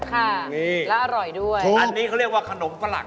ค่ะนี่แล้วอร่อยด้วยอันนี้เขาเรียกว่าขนมฝรั่ง